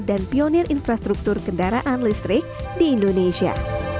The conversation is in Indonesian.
dan pionir infrastruktur kendaraan listrik di indonesia